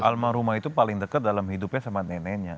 almarhumah itu paling dekat dalam hidupnya sama neneknya